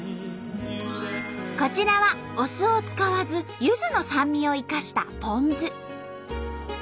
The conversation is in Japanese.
こちらはお酢を使わずゆずの酸味を生かしたポン酢。